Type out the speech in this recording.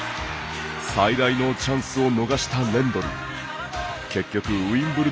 最大のチャンスを逃したレンドル。